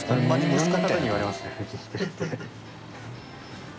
いろんな方に言われますね店主）